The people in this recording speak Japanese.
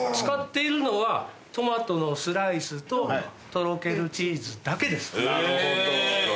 使っているのはトマトのスライスととろけるチーズだけです。